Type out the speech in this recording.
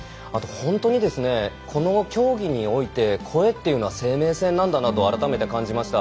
本当にこの競技において声というのは生命線なんだなと改めて感じました。